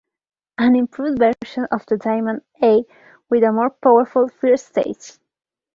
An improved version of the Diamant A with a more powerful first stage.